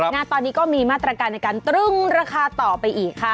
งานตอนนี้ก็มีมาตรการในการตรึงราคาต่อไปอีกค่ะ